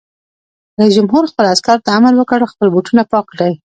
رئیس جمهور خپلو عسکرو ته امر وکړ؛ خپل بوټونه پاک کړئ!